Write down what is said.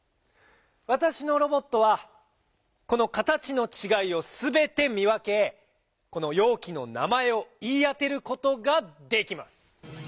わたしのロボットはこのかたちのちがいをすべて見わけこのようきの名まえをいいあてることができます！